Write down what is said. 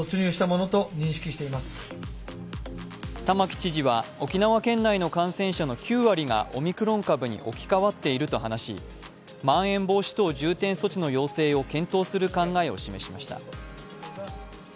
玉城知事は沖縄県内の感染者の９割がオミクロン株に置き換わっていると話し、まん延防止等重点措置の要請を検討する考えを示しました。